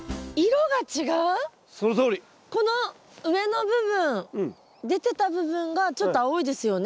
この上の部分出てた部分がちょっと青いですよね。